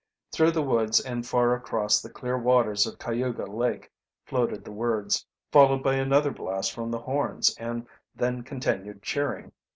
Through the woods and far across the clear waters of Cayuga Lake floated the words, followed by another blast from the horns and then continued cheering.